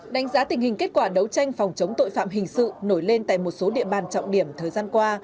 đánh giá tình hình kết quả đấu tranh phòng chống tội phạm hình sự nổi lên tại một số địa bàn trọng điểm thời gian qua